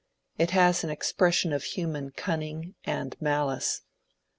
It has an expression of human cunning and maUce.